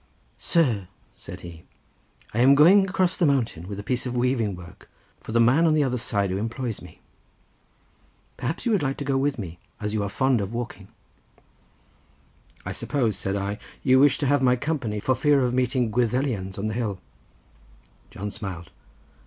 "Sir," said he, "I am going across the mountain with a piece of weaving work, for the man on the other side, who employs me. Perhaps you would like to go with me, as you are fond of walking." "I suppose," said I, "you wish to have my company for fear of meeting Gwyddelians on the hill." John smiled.